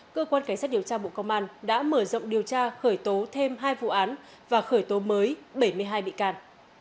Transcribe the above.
cơ quan cảnh sát điều tra bộ công an đã mở rộng điều tra khởi tố thêm hai vụ án và khởi tố mới bảy mươi hai bị can